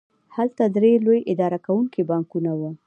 هلته درې لوی اداره کوونکي بانکونه وو